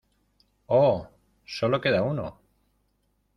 ¡ Oh! Sólo queda uno.